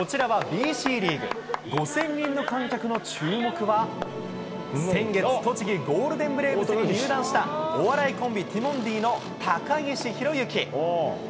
５０００人の観客の注目は、先月、栃木ゴールデンブレイブスに入団したお笑いコンビ、ティモンディの高岸宏行。